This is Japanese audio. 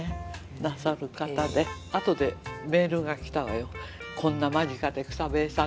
なさる方であとでメールがきたわよ